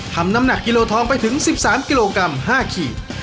น้ำหนักกิโลทองไปถึง๑๓กิโลกรัม๕ขีด